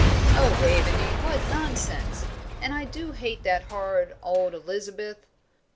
"Oh, Waveney, what nonsense! And I do hate that horrid old Elizabeth."